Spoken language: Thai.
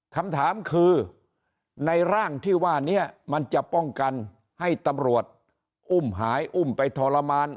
คำถามคือในร่างที่ว่านี้มันจะป้องกันให้ตำรวจอุ้มหายอุ้มไปทรมาน